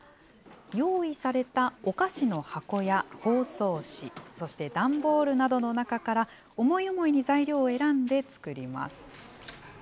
用意されたお菓子の箱や、包装紙、そして段ボールなどの中から思い思いに材料を選んで作ります。